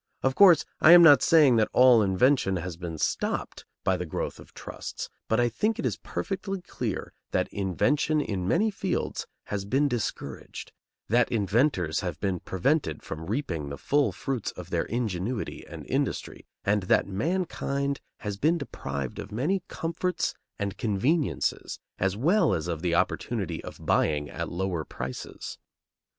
Of course, I am not saying that all invention has been stopped by the growth of trusts, but I think it is perfectly clear that invention in many fields has been discouraged, that inventors have been prevented from reaping the full fruits of their ingenuity and industry, and that mankind has been deprived of many comforts and conveniences, as well as of the opportunity of buying at lower prices.